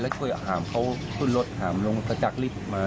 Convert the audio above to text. และช่วยอาหารเขาช่วยลดอาหารลงจากลิฟต์มา